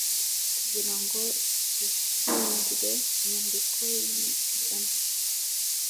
kugira ngo cyishingire inyandiko y ipiganwa